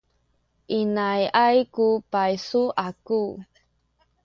inayay ku paysu aku.